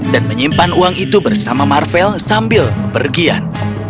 dan menyimpan uang itu bersama marvell sambil bergian